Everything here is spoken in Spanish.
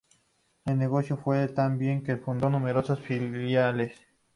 El negocio le fue tan bien que fundó numerosas filiales.